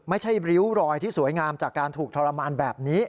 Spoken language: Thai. ริ้วรอยที่สวยงามจากการถูกทรมานแบบนี้